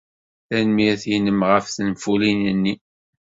Tanemmirt-nnem ɣef tenfulin-nni.